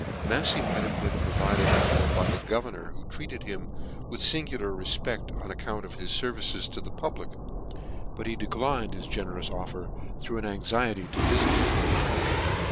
tvlaf fey might have been provided for by the governor, who treated him with fingular refpecl: ; on account of his fervices to the public ; but he declined his generous offers, through an anxiety to vifit his native country.